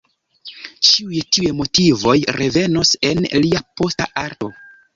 Ĉiuj tiuj motivoj revenos en lia posta arto.